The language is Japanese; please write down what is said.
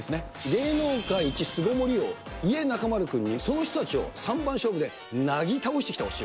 芸能界一巣ごもり王、イエナカ丸君に、その人たちを３番勝負で、なぎ倒してきてほしい。